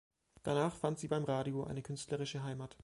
Danach fand sie beim Radio eine künstlerische Heimat.